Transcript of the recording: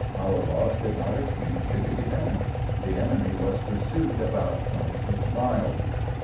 Our loss did not exceed sixty men. The enemy was pursued about twenty six miles.